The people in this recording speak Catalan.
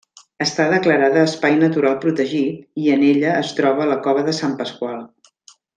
Està declarada Espai Natural Protegit i en ella es troba la cova de Sant Pasqual.